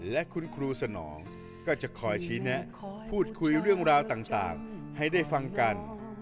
และคุณครูสนองก็จะคอยชี้แนะพูดคุยเรื่องราวต่างให้ได้ฟังกัน